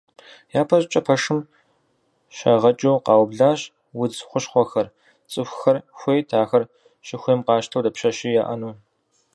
Япэ щӏыкӏэ пэшым щагъэкӏыу къаублащ удз хущхъуэхэр, цӏыхухэр хуейт ахэр щыхуейм къащтэу дапщэщи яӏэну.